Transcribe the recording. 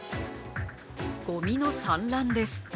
ごみの散乱です。